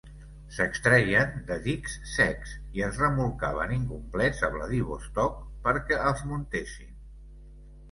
S'extreien de dics secs i es remolcaven incomplets a Vladivostok perquè els muntessin.